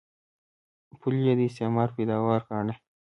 پولې یې د استعمار پیداوار ګاڼه.